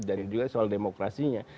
dan juga soal demokrasinya